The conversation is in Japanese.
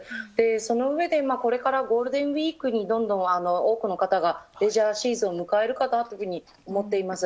その上で、これからゴールデンウィークに、どんどん多くの方がレジャーシーズンを迎えるかなというふうに思っています。